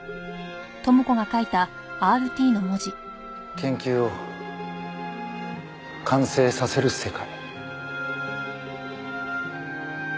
研究を完成させる世界。